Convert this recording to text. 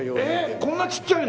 こんなちっちゃいの？